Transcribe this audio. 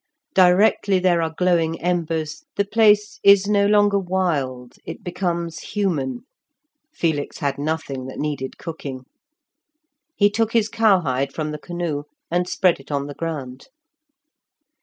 Directly there are glowing embers the place is no longer wild, it becomes human. Felix had nothing that needed cooking. He took his cowhide from the canoe and spread it on the ground.